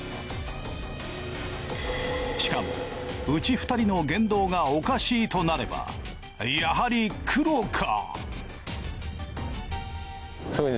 しかもうち２人の言動がおかしいとなればやはりクロか？